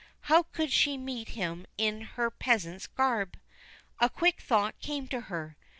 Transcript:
How could she meet him in her peasant's garb? A quick thought came to her.